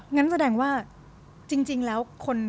งั้นแสดงว่าจริงแล้วคน